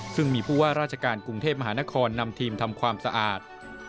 ซึ่งมีผู้ว่าราชการกรุงเทพมหานครนำทีมทำความสะอาด